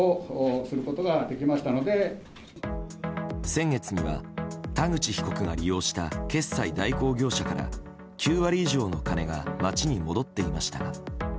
先月には、田口被告が利用した決済代行業者から９割以上の金が町に戻っていました。